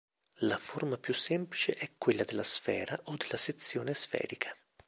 La forma più semplice è quella della sfera o della sezione sferica.